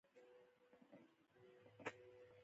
کله چې پر ځان باور لرونکی چلند ولرئ، د شخړې مخه نیسئ.